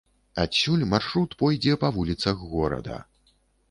Адсюль маршрут пойдзе па вуліцах горада.